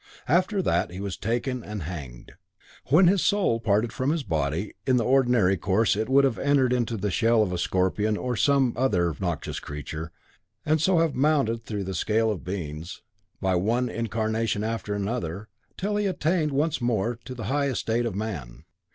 After that he was taken and hanged. When his soul parted from his body, in the ordinary course it would have entered into the shell of a scorpion or some other noxious creature, and so have mounted through the scale of beings, by one incarnation after another, till he attained once more to the high estate of man."